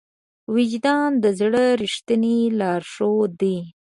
وجدان د زړه ریښتینی لارښود دی.